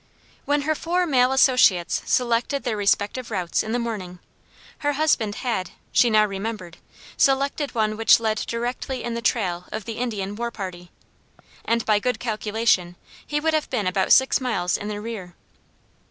When her four male associates selected their respective routes in the morning, her husband had, she now remembered, selected one which led directly in the trail of the Indian war party, and by good calculation he would have been about six miles in their rear.